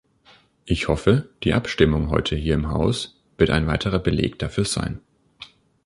Ich hoffe, die Abstimmung heute hier im Haus wird ein weiterer Beleg dafür sein.